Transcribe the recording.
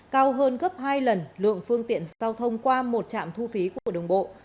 cao hơn gấp hai lần lượng phương tiện giao thông qua một trạm thu phí của đồng bộ